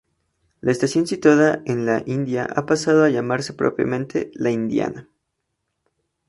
La estación situada en La Indiana ha pasado a llamarse propiamente La Indiana.